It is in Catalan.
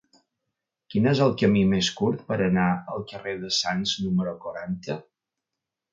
Quin és el camí més curt per anar al carrer de Sants número quaranta?